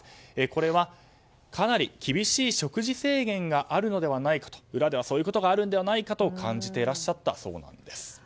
これはかなり厳しい食事制限があるのではないかと裏ではそういうことがあるのではないかと感じていらっしゃったそうなんです。